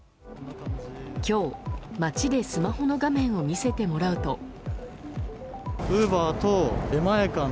今日、街でスマホの画面を見せてもらうと。